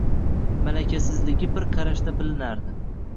Malakasizligi bir qarashda bilinardi.